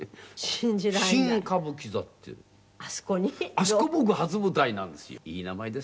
あそこ僕初舞台なんですよ。